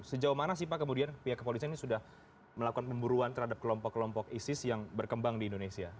sejauh mana sih pak kemudian pihak kepolisian ini sudah melakukan pemburuan terhadap kelompok kelompok isis yang berkembang di indonesia